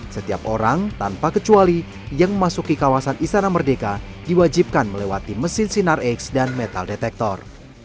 setiap orang tanpa kecuali yang memasuki kawasan istana merdeka diwajibkan melewati mesin sinar x dan metal detektor